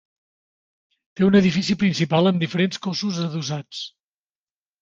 Té un edifici principal amb diferents cossos adossats.